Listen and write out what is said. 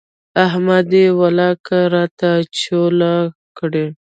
احمد يې ولاکه راته چوله کړي.